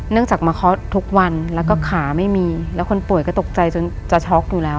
จากมาเคาะทุกวันแล้วก็ขาไม่มีแล้วคนป่วยก็ตกใจจนจะช็อกอยู่แล้ว